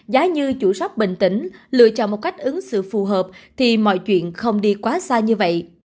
giá như chủ sóc bình tĩnh lựa chọn một cách ứng xử phù hợp thì mọi chuyện không đi quá xa như vậy